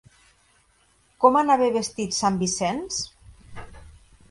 Com anava vestit sant Vicenç?